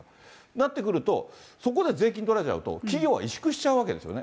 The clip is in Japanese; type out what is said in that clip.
なってくるとそこで税金取られちゃうと、企業は委縮しちゃうわけですよね。